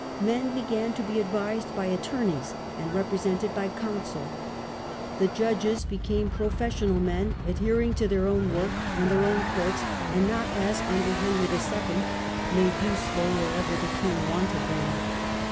Men began to be advised by 'attorneys', and represented by 'counsel'. The judges became professional men, adhering to their own work and their own courts, and not, as under Henry II., made useful wherever the king wanted them.